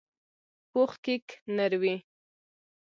پوخ کیک نر وي